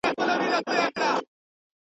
موږ به تر کله د لمبو له څنګه شپې تېروو!